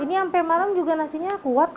ini sampai malam juga nasinya kuat